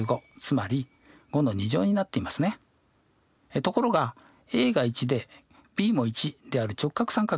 ところがが１でｂも１である直角三角形